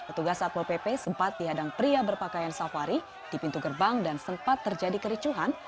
petugas satpol pp sempat dihadang pria berpakaian safari di pintu gerbang dan sempat terjadi kericuhan